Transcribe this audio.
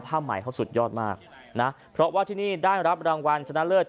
ผ้าใหม่เขาสุดยอดมากนะเพราะว่าที่นี่ได้รับรางวัลชนะเลิศ